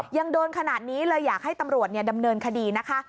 ยังโดนขนาดนี้เลยอยากให้ตำรวจดำเนินคดีนะคะ